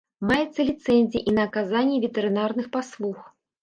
Маецца ліцэнзія і на аказанне ветэрынарных паслуг.